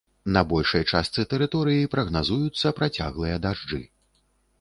На большай частцы тэрыторыі прагназуюцца працяглыя дажджы.